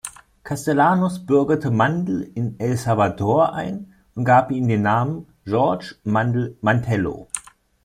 Castellanos bürgerte Mandl in El Salvador ein und gab ihm den Namen George Mandel-Mantello.